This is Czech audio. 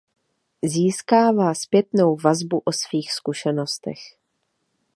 Získává zpětnou vazbu o svých zkušenostech.